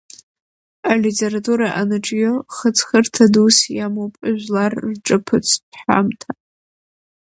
Алитература аныҿио хыҵхырҭа дус иамоуп жәлар рҿаԥыцтә ҳәамҭа.